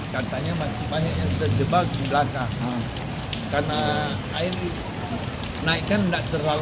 katanya masih banyak yang terjebak di belakang